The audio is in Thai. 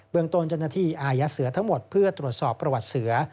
เบื้องตนจนที่อายะเสือทั้งหมดเพื่อตรวจสอบประวัติเสือ